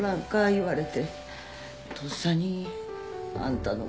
言われてとっさにあんたの事を。